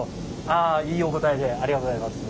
ああいいお答えでありがとうございます。